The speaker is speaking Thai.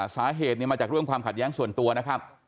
สาเหตุมาจากเรื่องความขัดแย้งส่วนตัวนะครับ